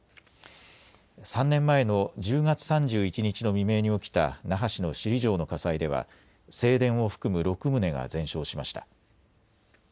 ３年前の１０月３１日の未明に起きた那覇市の首里城の火災では正殿を含む６棟が全焼しました。